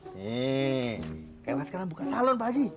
nih elah sekarang buka salon pakji